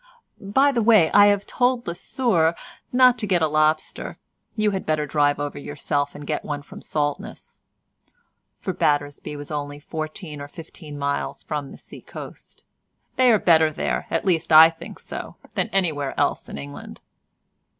By the way, I have told Lesueur not to get a lobster—you had better drive over yourself and get one from Saltness (for Battersby was only fourteen or fifteen miles from the sea coast); they are better there, at least I think so, than anywhere else in England.